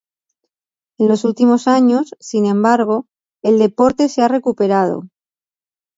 En los últimos años, sin embargo, el deporte se ha recuperado.